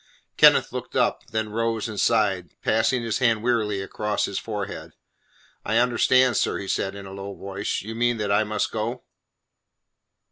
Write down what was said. Kenneth looked up, then rose and sighed, passing his hand wearily across his forehead. "I understand, sir," he replied in a low voice. "You mean that I must go?"